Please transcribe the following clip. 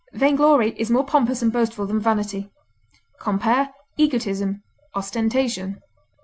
Vainglory is more pompous and boastful than vanity. Compare EGOTISM; OSTENTATION.